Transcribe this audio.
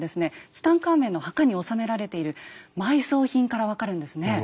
ツタンカーメンの墓に納められている埋葬品から分かるんですね。